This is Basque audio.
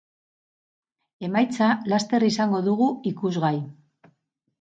Emaitza laster izango dugu ikusgai!